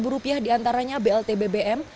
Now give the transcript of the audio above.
tiga ratus rupiah diantaranya blt bbm